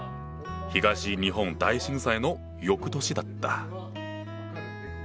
東日本大震災の翌年だった。